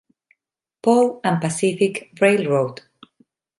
Paul and Pacific Railroad.